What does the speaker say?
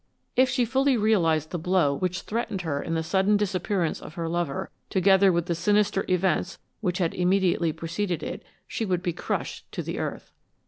If she fully realized the blow which threatened her in the sudden disappearance of her lover, together with the sinister events which had immediately preceded it, she would be crushed to the earth.